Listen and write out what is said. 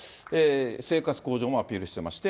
生活向上もアピールしてまして。